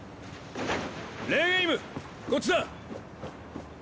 レーン・エイムこっちだ！